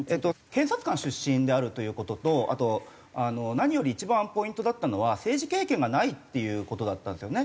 検察官出身であるという事とあと何より一番ポイントだったのは政治経験がないっていう事だったんですよね